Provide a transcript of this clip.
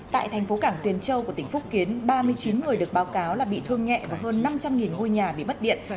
tại thành phố cảng tuyền châu của tỉnh phúc kiến ba mươi chín người được báo cáo là bị thương nhẹ và hơn năm trăm linh ngôi nhà bị mất điện